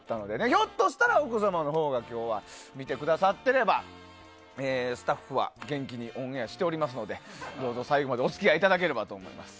ひょっとしたら今日は奥様のほうが見てくださってればスタッフは元気にオンエアしていますのでどうぞ最後までお付き合いいただければと思います。